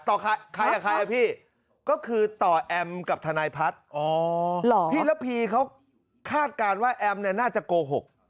ต่อใครพี่ก็คือต่อแอมกับทนายพัฒน์อ๋อหรอพี่ระพีเขาคาดการณ์ว่าแอมน่าจะโกหก